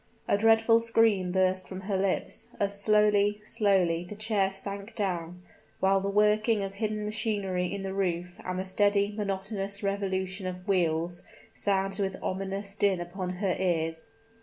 A dreadful scream burst from her lips, as slowly slowly the chair sank down, while the working of hidden machinery in the roof, and the steady, monotonous revolution of wheels, sounded with ominous din upon her ears.